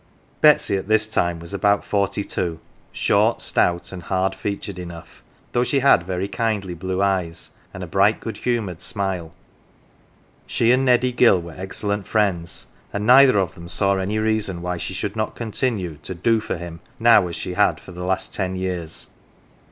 Betsy at this time was about forty two ; short, stout, and hard featured enough, though she had very kindly blue eyes, and a bright good humoured smile. She and Neddy Gill were excellent friends, and neither of them saw any reason why she should not continue to "do for " him now as she had for the last ten years.